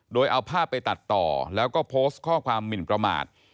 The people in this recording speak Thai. โดยเอาภาพไปตัดต่อแล้วก็โพสต์ข้อความหมินประมาท